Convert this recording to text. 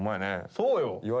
そうよ